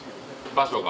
場所が？